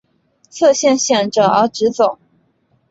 侧线显着而直走。